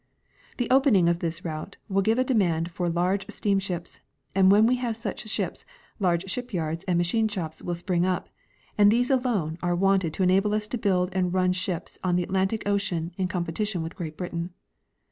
The opening' of this route will give a demand for large steam ships, and when we have such ships large ship yards and machine shops Avill spring up, and these alone are wanted to enable us to build and run shi^s on the Atlantic ocean in com petition with Great Britain.